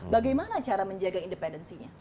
bagaimana cara menjaga independensinya